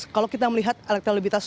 kalau kita melihat elektrolibitas